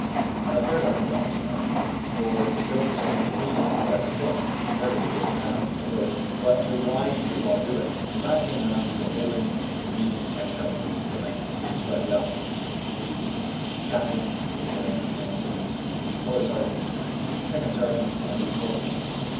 "I don't care about the job," said I, "for it don't seem to me quite the thing, as everbody will have a vote; but to oblige you I'll do it." The time came round for holding the meeting of the company for the men to select their officers, viz., captain, lieutenant, ensign, color sergeant, second sergeant, and two corporals.